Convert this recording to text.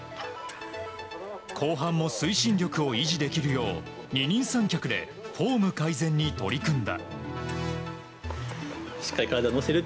後半も推進力を維持できるよう二人三脚でフォーム改善に取り組んだ。